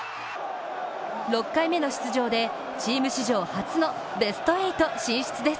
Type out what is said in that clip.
６回目の出場で、チーム史上初のベスト８進出です。